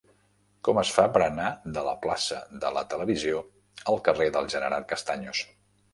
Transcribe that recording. Com es fa per anar de la plaça de la Televisió al carrer del General Castaños?